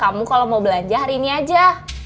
mau belanja hari ini aja